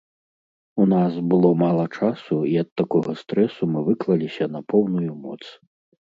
У нас было мала часу і ад такога стрэсу мы выклаліся на поўную моц!